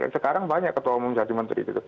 sekarang banyak ketua umum jadi menteri